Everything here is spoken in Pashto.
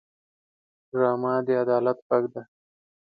ډرامه د عدالت غږ دی